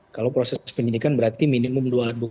kalau proses penyidikan berarti minimum dua alat bukti